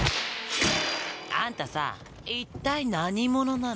あんたさ、一体何者なの？